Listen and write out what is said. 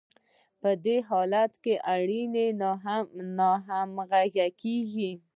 په دې حالت کې اړیکې ناهمغږې کیږي.